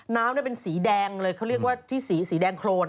น้ำเป็นสีแดงเลยเขาเรียกว่าที่สีสีแดงโครน